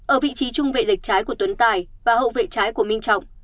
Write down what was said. ở vị trí trung vệ lệch trái của tuấn tài và hậu vệ trái của minh trọng